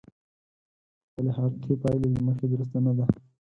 خپلې حقيقي پايلې له مخې درسته نه ده.